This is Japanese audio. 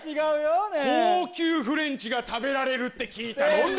高級フレンチが食べられるって聞いたもんですから！